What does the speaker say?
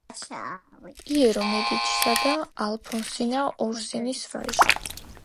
პიერო მედიჩისა და ალფონსინა ორსინის ვაჟი.